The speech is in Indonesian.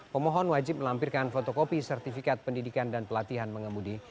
pemohon wajib melampirkan fotokopi sertifikat pendidikan dan pelatihan mengemudi